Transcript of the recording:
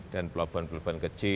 dan pelabuhan pelabuhan kecil